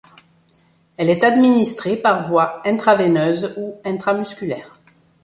Elle est administrée par voie intraveineuse ou intramusculaire.